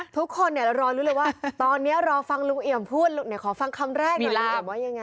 ทุกคนรอรู้เลยว่าตอนนี้รอฟังลุงเอ๋ยมพูดขอฟังคำแรกลุงเอ๋ยมว่าอย่างไร